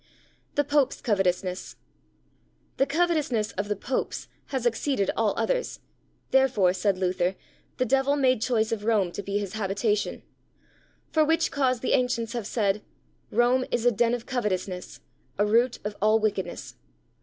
The Popes' Covetousness. The covetousness of the Popes has exceeded all others', therefore, said Luther, the devil made choice of Rome to be his habitation; for which cause the ancients have said, "Rome is a den of covetousness, a root of all wickedness."